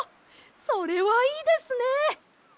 それはいいですね！